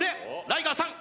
ライガーさん